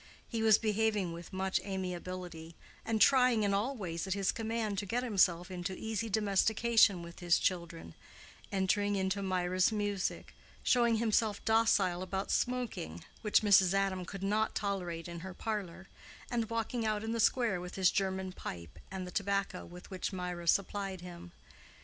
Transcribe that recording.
He was behaving with much amiability, and trying in all ways at his command to get himself into easy domestication with his children—entering into Mirah's music, showing himself docile about smoking, which Mrs. Adam could not tolerate in her parlor, and walking out in the square with his German pipe, and the tobacco with which Mirah supplied him.